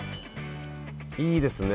いいですね